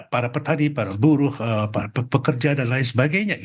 para petani para buruh pekerja dan lain sebagainya